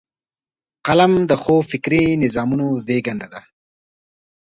قلم د ښو فکري نظام زیږنده ده